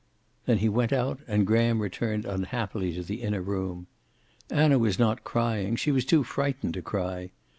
Then he went out, and Graham returned unhappily to the inner room. Anna was not crying; she was too frightened to cry.